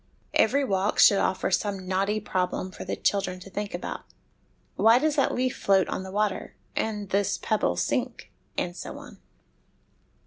Every walk should offer some knotty problem for the children to think out " Why does that leaf float on the water, and this pebble sink ?" and so on.